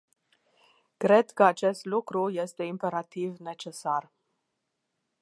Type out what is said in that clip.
Cred că acest lucru este imperativ necesar.